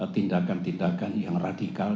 tindakan tindakan yang radikal